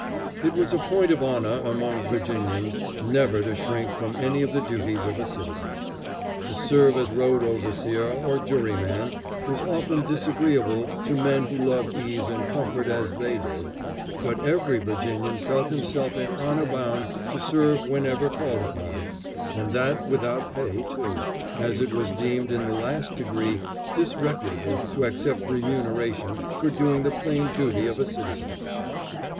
It was a point of honor among Virginians never to shrink from any of the duties of a citizen. To serve as road overseer or juryman was often disagreeable to men who loved ease and comfort as they did, but every Virginian felt himself in honor bound to serve whenever called upon, and that without pay, too, as it was deemed in the last degree disreputable to accept remuneration for doing the plain duty of a citizen.